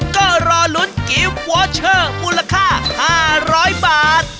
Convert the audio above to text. ก็รอลุ้นกิฟต์วอเชอร์มูลค่า๕๐๐บาท